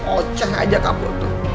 oceh aja kamu tuh